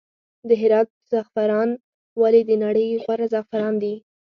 د هرات زعفران ولې د نړۍ غوره زعفران دي؟